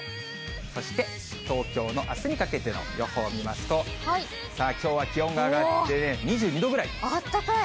そして東京のあすにかけての予報を見ますと、さあ、きょうは気温あったかい。